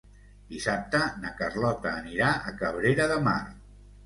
Dissabte na Carlota anirà a Cabrera de Mar.